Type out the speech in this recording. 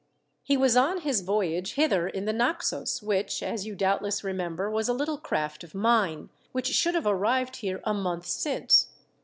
He was on his voyage hither in the Naxos, which, as you doubtless remember, was a little craft of mine, which should have arrived here a month since.